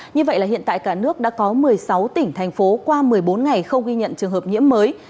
như vậy là hiện tại cả nước đã có một mươi sáu tỉnh thành phố qua một mươi bốn ngày không ghi nhận trường hợp nhiễm mới